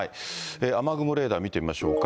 雨雲レーダー見てみましょうか。